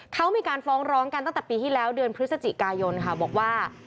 เขามีการฟ้องร้องกันตั้งแต่ปีที่แล้วเดือนพฤศจิกายนค่ะบอกว่า